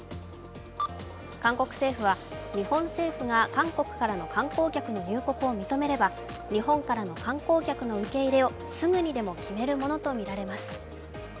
韓国政府は日本政府が韓国からの観光客の入国を認めれば日本からの観光客の受け入れをすぐにでも決めるものとみられます。